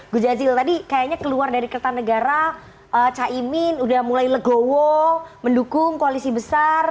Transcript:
gujajil tadi kayaknya keluar dari kertanegara caimin udah mulai legowo mendukung koalisi besar